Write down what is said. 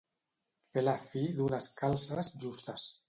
Fer la fi d'unes calces justes.